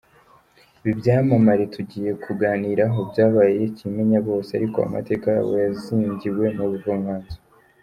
Ibi byamamare tugiye kuganiraho byabaye kimenyabose, ariko amateka yabo yazingiwe mu buvanganzo.